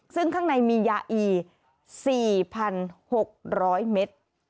ซึ่งข้างในมียาอี๔๖๐๐เมตร